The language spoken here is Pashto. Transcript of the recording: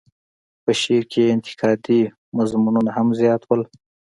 په شعر کې یې انتقادي مضمونونه هم زیات وو.